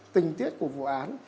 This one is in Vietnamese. tình tiết của vụ án